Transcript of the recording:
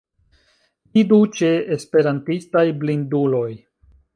Vidu ĉe Esperantistaj blinduloj.